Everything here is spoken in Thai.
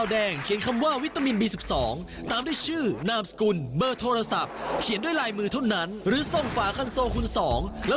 ส่วนกติกาก็เหมือนเดิมค่ะ